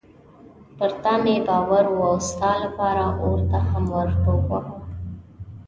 پر تا مې باور و او ستا لپاره اور ته هم ورټوپ وهم.